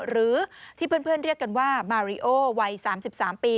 หรือที่เพื่อนเรียกกันว่ามาริโอวัย๓๓ปี